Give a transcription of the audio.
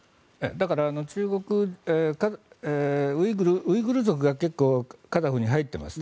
だから、ウイグル族が結構カザフに入ってます。